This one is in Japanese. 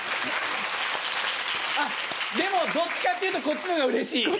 でもどっちかっていうとこっちのがうれしい。